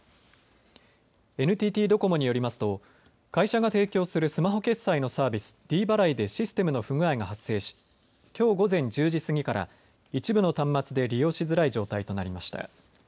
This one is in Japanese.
ＮＴＴドコモによりますと会社が提供するスマホ決済のサービス、ｄ払いでシステムの不具合が発生しきょう午前１０時過ぎから一部の端末で利用しづらい状態となりました。